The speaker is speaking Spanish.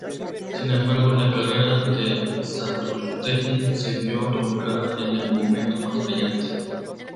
Sin embargo la carrera de Satrústegui se vio truncada en el momento más brillante.